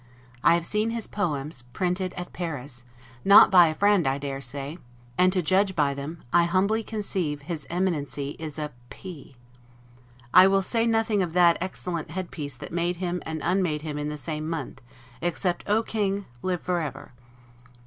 I have seen his poems, printed at Paris, not by a friend, I dare say; and to judge by them, I humbly conceive his Eminency is a p y. I will say nothing of that excellent headpiece that made him and unmade him in the same month, except O KING, LIVE FOREVER.